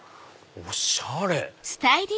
おしゃれ！